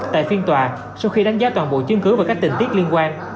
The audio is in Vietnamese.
tại phiên tòa sau khi đánh giá toàn bộ chứng cứ và các tình tiết liên quan